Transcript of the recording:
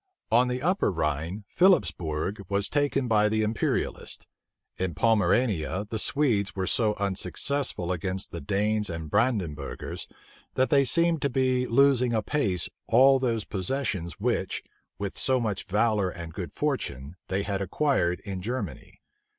On the Upper Rhine, Philipsbourg was taken by the imperialists. In Pomerania, the Swedes were so unsuccessful against the Danes and Brandenburghers, that they seemed to be losing apace all those possessions which, with so much valor and good fortune, they had acquired in Germany.